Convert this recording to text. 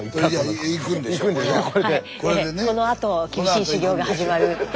このあと厳しい修業が始まる。